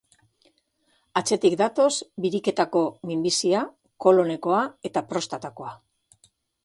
Atzetik datoz biriketako minbizia, kolonekoa eta prostatakoa.